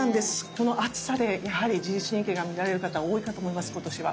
この暑さでやはり自律神経が乱れる方多いかと思います今年は。